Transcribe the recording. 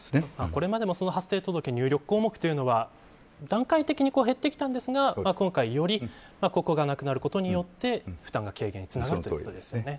これまでも発生者入力項目は減ってきたんですが今回より、ここがなくなることで負担軽減につながるということですね。